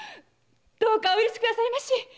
どうかお許しくださいまし！